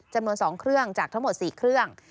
จำนวน๒เครื่องจากทั้งหมด๔เครื่อง